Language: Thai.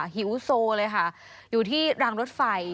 หิวโซเลยค่ะอยู่ที่รางรถไฟ